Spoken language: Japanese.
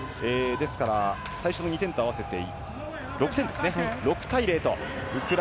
ですから、最初の２点と合わせて８点ですね。